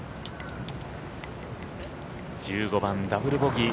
１５番、ダブルボギー。